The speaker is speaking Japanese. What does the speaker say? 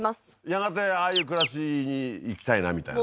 やがてああいう暮らしにいきたいなみたいな？